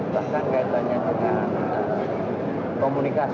bahkan kaitannya dengan komunikasi